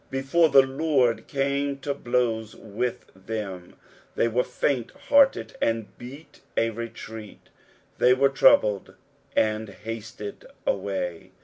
Before the Lord came to blows with them, they were faint hearted, and beat a retreat. " They wert troubled and hasted aumy."